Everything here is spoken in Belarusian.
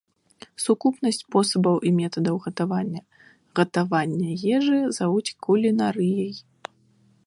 Сукупнасць спосабаў і метадаў гатавання гатавання ежы завуць кулінарыяй.